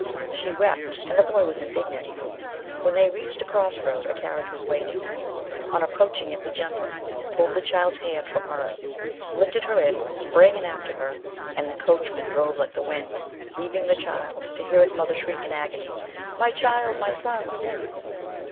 She wept, and the boy was indignant. When they reached a cross road, a carriage was waiting. On approaching it the gentleman pulled the child's hands from hers, lifted her in, sprang in after, and the coachman drove like 198 MBS. SHELLEY. the wind, leaving the child to hear his mother shriek in agony, "My child my son!"